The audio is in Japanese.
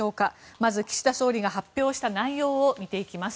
まず岸田総理が発表した内容を見ていきます。